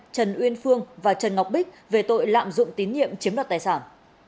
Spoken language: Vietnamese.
trần uyên phương và trần ngọc bích về tội lạm dụng tín nhiệm chiếm đoạt tài sản